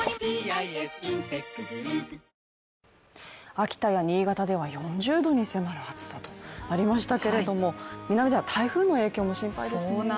秋田や新潟では４０度に迫る暑さとなりましたけれども南では台風の影響も心配ですね。